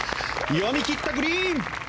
読み切ったグリーン！